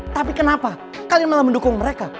tapi kenapa kalian malah mendukung mereka